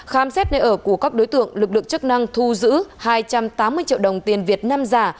khám xét nơi ở của các đối tượng lực lượng chức năng thu giữ hai trăm tám mươi triệu đồng tiền việt nam giả